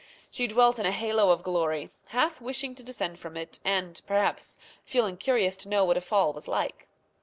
She dwelt in a halo of glory, half wishing to descend from it, and perhaps feeling curious to know what a fall was like.